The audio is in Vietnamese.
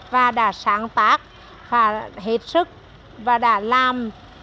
và đã sáng tác hết sức và đã làm